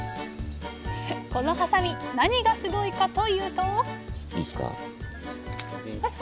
このはさみ何がすごいかというといいっすか。